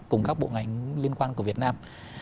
cùng các bộ ngành liên quan của việt nam